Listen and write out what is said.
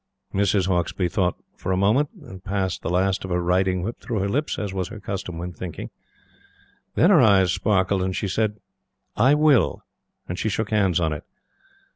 Mrs. Hauksbee thought for a minute, and passed the last of her riding whip through her lips, as was her custom when thinking. Then her eyes sparkled, and she said: "I will;" and she shook hands on it.